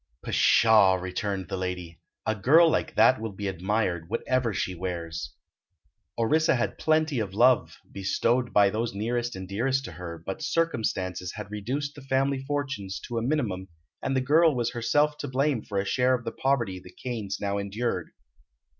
"Pshaw!" returned the lady; "a girl like that will be admired, whatever she wears." Orissa had plenty of love, bestowed by those nearest and dearest to her, but circumstances had reduced the family fortunes to a minimum and the girl was herself to blame for a share of the poverty the Kanes now endured.